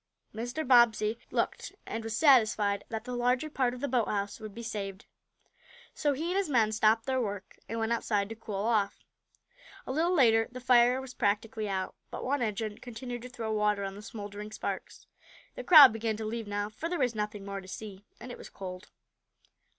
Mr. Bobbsey looked, and was satisfied that the larger part of the boathouse would be saved. So he and his men stopped their work; and went outside to cool off. A little later the fire was practically out, but one engine continued to throw water on the smouldering sparks. The crowd began to leave now, for there was nothing more to see, and it was cold.